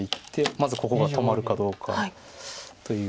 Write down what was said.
まずここが止まるかどうかという。